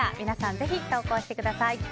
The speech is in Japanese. ぜひ投稿してください。